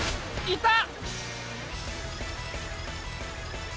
いた！